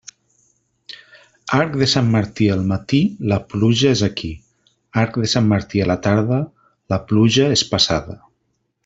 Arc de Sant Martí al matí, la pluja és aquí; arc de Sant Martí a la tarda, la pluja és passada.